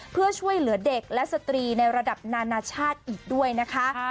เพื่อช่วยเหลือเด็กและสตรีในระดับนานาชาติอีกด้วยนะคะ